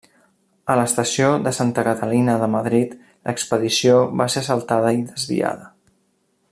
A l'estació de Santa Catalina de Madrid l'expedició va ser assaltada i desviada.